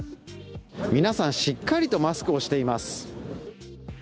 皆さんしっかりとマスクをしています。